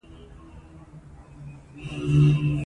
نورستان د افغانستان د ښاري پراختیا یو خورا لوی سبب دی.